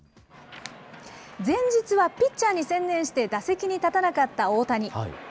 前日はピッチャーに専念して、打席に立たなかった大谷。